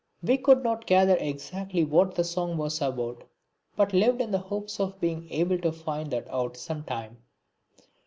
We could not gather exactly what the song was about, but lived in hopes of being able to find that out sometime.